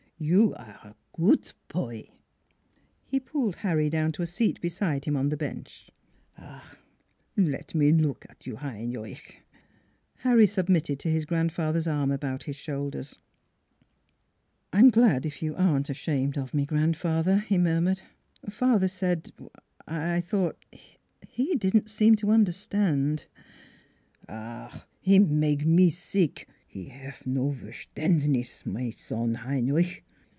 You are goot poy." He pulled Harry down to a seat beside him on the bench. " Ach, let me look at you, Heinrich !" NEIGHBORS 329 Harry submitted to his grandfather's arm about his shoulders. " I I'm glad if you aren't ashamed of me, grandfather," he murmured. " Father said I I thought he didn't seem to understand." "Ach! he mage me sick: he haf no V 'er st andniss my son Heinrich."